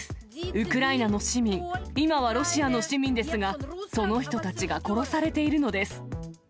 ウクライナの市民、今はロシアの市民ですが、その人たちが殺されているのです。